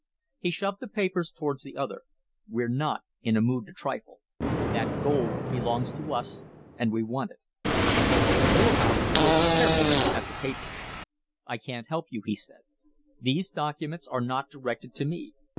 He shoved the papers towards the other. "We're not in a mood to trifle. That gold belongs to us, and we want it." Morehouse looked carefully at the papers. "I can't help you," he said. "These documents are not directed to me.